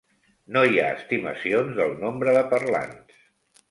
No hi ha estimacions del nombre de parlants.